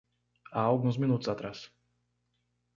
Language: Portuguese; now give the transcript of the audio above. Há alguns minutos atrás